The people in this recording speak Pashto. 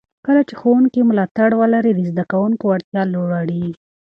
کله چې ښوونکي ملاتړ ولري، د زده کوونکو وړتیا لوړېږي.